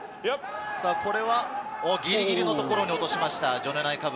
これはギリギリの所に落としました。